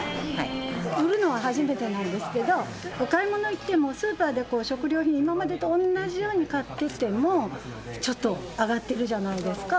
売るのは初めてなんですけれども、買い物行っても、スーパーで食料品、今までと同じように買ってても、ちょっと上がってるじゃないですか。